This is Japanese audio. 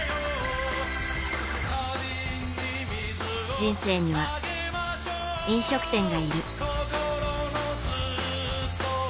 人生には、飲食店がいる。